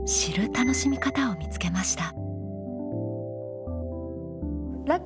楽しみ方を見つけました。